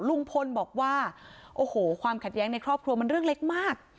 ลุงพลบอกว่าโอ้โหความขัดแย้งในครอบครัวมันเรื่องเล็กมาก